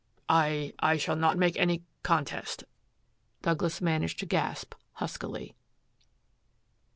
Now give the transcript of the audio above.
"I I shall not make any contest," Douglas managed to gasp huskily.